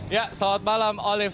ya selamat malam olive